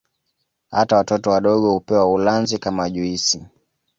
Hata watoto wadogo hupewa ulanzi kama juisi